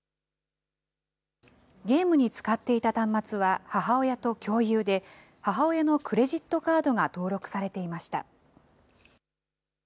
ゲームに使っていた端末は母親と共有で、母親のクレジットカードが登録されていました。